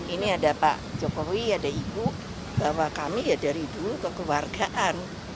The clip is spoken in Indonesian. ini ada pak jokowi ada ibu bahwa kami ya dari dulu kekeluargaan